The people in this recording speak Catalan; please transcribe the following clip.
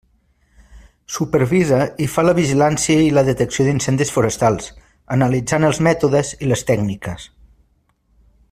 Supervisa i fa la vigilància i la detecció d'incendis forestals, analitzant els mètodes i les tècniques.